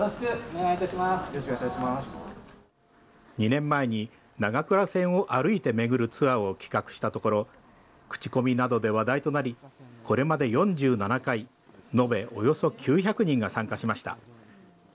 ２年前に長倉線を歩いて巡るツアーを企画したところ、口コミなどで話題となり、これまで４７回、延べおよそ９００人が参加しました。